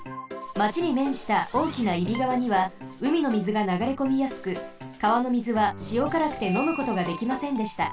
町にめんしたおおきな揖斐川にはうみのみずがながれこみやすく川のみずはしおからくてのむことができませんでした。